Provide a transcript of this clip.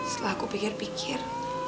setelah aku pikir pikir